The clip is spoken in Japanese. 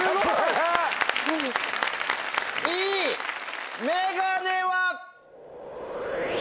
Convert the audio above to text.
Ｅ「メガネ」は。